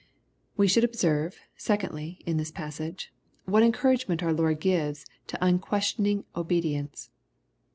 We should observe, secondly, in this passage, what encouragement our Lord gives to unquestioning obedi ence.